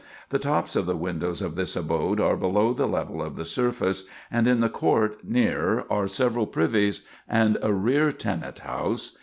The tops of the windows of this abode are below the level of the surface, and in the court near are several privies and a rear tenant house.